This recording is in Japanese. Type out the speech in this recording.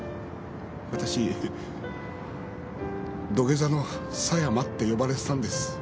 わたし「土下座の狭山」って呼ばれてたんです。